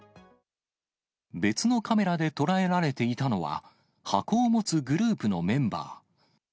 別のカメラで捉えられていたのは、箱を持つグループのメンバー。